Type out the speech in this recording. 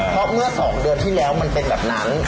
เพราะเมื่อ๒เดือนที่แล้วมันเป็นแบบนั้น